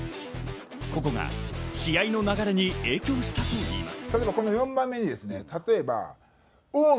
ここが試合の流れに影響したといいます。